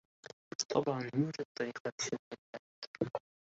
طبعاً يوجد طريقة لشرح ذلك.